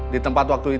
di tempat waktu itu